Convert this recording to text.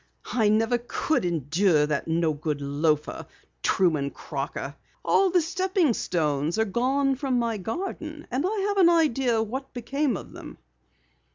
"I never could endure that no good loafer, Truman Crocker! All the stepping stones are gone from my garden, and I have an idea what became of them!"